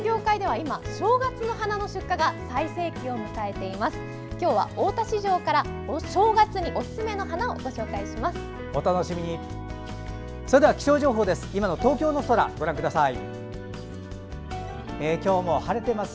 今日は大田市場から正月におすすめの花をご紹介します。